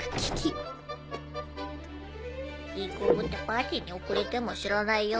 いい子ぶってパーティーに遅れても知らないよ。